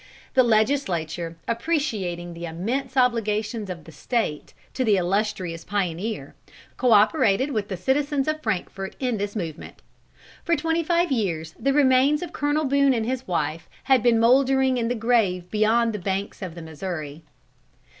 The Legislature, appreciating the immense obligations of the State to the illustrious pioneer, co operated with the citizens of Frankfort in this movement. For twenty five years the remains of Col. Boone and his wife had been mouldering in the grave upon the banks of the Missouri.